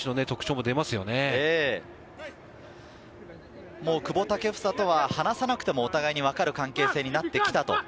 もう久保建英とは話さなくてもお互いに分かる関係性になってきたと。